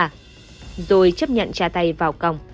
rồi chấp nhận tra tay vào còng